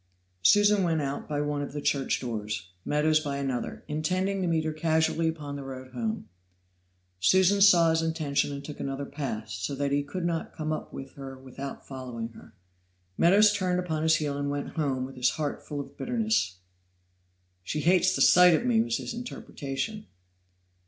Susan went out by one of the church doors, Meadows by another, intending to meet her casually upon the road home. Susan saw his intention and took another path, so that he could not come up with her without following her. Meadows turned upon his heel and went home with his heart full of bitterness. "She hates the sight of me," was his interpretation.